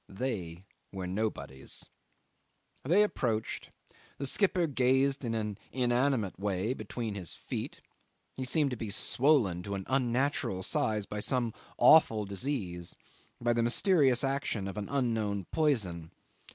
They were nobodies. They approached. The skipper gazed in an inanimate way between his feet: he seemed to be swollen to an unnatural size by some awful disease, by the mysterious action of an unknown poison.